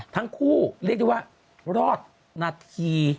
ทั้งคู่เรียกได้ว่ารอดนาที